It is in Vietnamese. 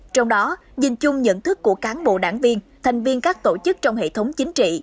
trong đó dình chung nhận thức của cán bộ đảng viên thành viên các tổ chức trong hệ thống chính trị